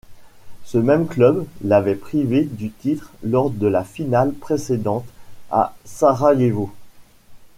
Ce même club l'avait privé du titre lors de la finale précédente à Sarajevo.